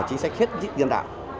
chính sách hết dịch nhân đạo